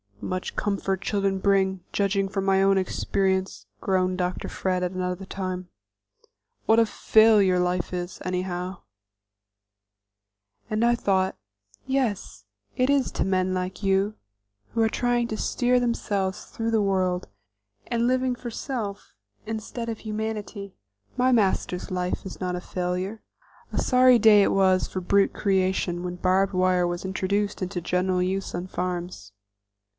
"Much comfort children bring, judging from my own experience," groaned Dr. Fred at another time. "What a failure life is, anyhow!" And I thought, "Yes, it is to men like you, who are trying to steer themselves through the world, and living for self instead of humanity. My master's life is not a failure." A sorry day it was for brute creation when barb wire was introduced into general use on farms.